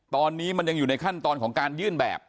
ตอนนี้มันยังอยู่ในขั้นตอนของการยื่นแบบ